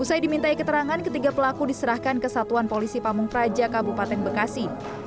usai dimintai keterangan ketiga pelaku diserahkan ke satuan polisi pamung praja kabupaten bekasi